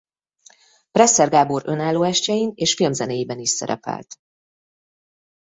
Presser Gábor önálló estjein és filmzenéiben is szerepelt.